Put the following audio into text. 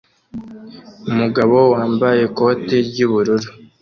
Umugabo wambaye ikoti ry'ubururu